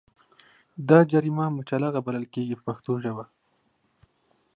دا جریمه مچلغه بلل کېږي په پښتو ژبه.